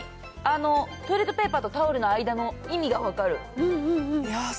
本当に、あの、トイレットペーパーとタオルの間の意味が分かる。